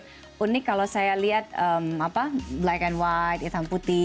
ini unik kalau saya lihat black and white hitam putih